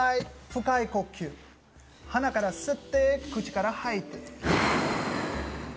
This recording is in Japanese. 深い呼吸、鼻から吸って口から吐いて。